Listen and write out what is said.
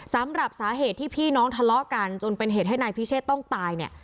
สำหรับสาเหตุที่พี่น้องทะเลาะกันจนเป็นเหตุให้นายพิเชษต้องตายเนี่ย